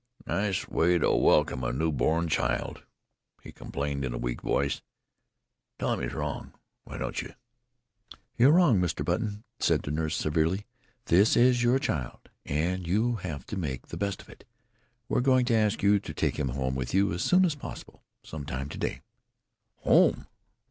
"Nice way to welcome a new born child," he complained in a weak voice. "Tell him he's wrong, why don't you?" "You're wrong, Mr. Button," said the nurse severely. "This is your child, and you'll have to make the best of it. We're going to ask you to take him home with you as soon as possible some time to day." "Home?"